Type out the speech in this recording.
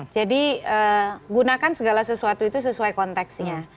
jadi gunakan segala sesuatu itu sesuai konteksnya